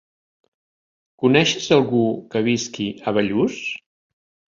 Coneixes algú que visqui a Bellús?